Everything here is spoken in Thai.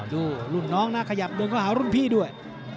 รุ่นน้องนะขยับเดินเข้าหารุ่นพี่ด้วย